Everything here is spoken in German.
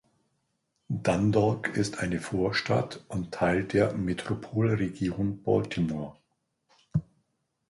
Dundalk ist eine Vorstadt und Teil der Metropolregion Baltimore.